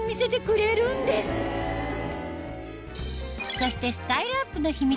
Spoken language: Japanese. そしてスタイルアップの秘密